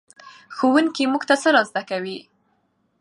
ښوونکی موږ ته څه را زده کوي؟